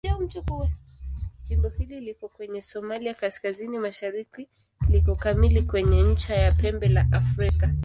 Jimbo hili liko kwenye Somalia kaskazini-mashariki liko kamili kwenye ncha ya Pembe la Afrika.